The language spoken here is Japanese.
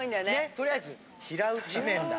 とりあえず平打ち麺だ